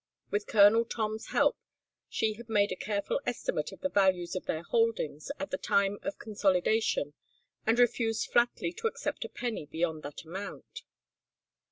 With Colonel Tom's help she had made a careful estimate of the values of their holdings at the time of consolidation and refused flatly to accept a penny beyond that amount.